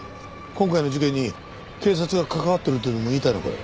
今回の事件に警察が関わってるとでも言いたいのかよ？